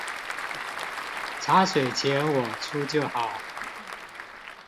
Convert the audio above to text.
茶水錢我出就好